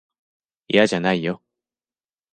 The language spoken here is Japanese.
いやじゃないよ。